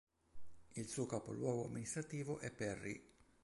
Il suo capoluogo amministrativo è Perry.